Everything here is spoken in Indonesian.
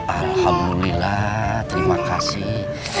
alhamdulillah terima kasih